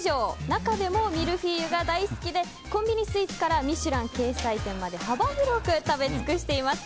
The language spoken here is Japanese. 中でもミルフィーユが大好きでコンビニスイーツから「ミシュラン」掲載店まで幅広く食べ尽くしています。